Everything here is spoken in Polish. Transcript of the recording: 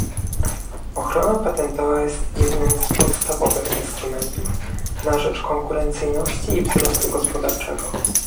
Ochrona patentowa jest jednym z podstawowych instrumentów na rzecz konkurencyjności i wzrostu gospodarczego